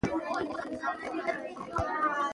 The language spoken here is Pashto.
زردالو د افغانستان د اقلیم یوه بله ځانګړتیا ده.